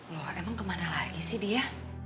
loh emang kemana lagi sih dia